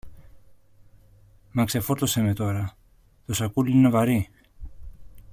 Μα ξεφόρτωσε με τώρα, το σακούλι είναι βαρύ!